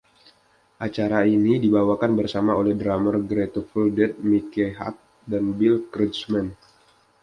Acara ini dibawakan bersama oleh drummer Grateful Dead Mickey Hart dan Bill Kreutzmann.